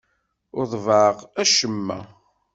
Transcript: Ur ḍebbɛeɣ acemma.